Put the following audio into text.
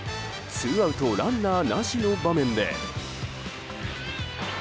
ツーアウトランナーなしの場面で。